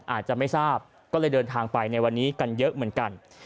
อาจจะไม่ทราบก็เลยเดินทางไปในวันนี้กันเยอะเหมือนกัน